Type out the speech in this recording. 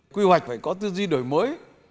quy hoạch phải có tư duy đổi mới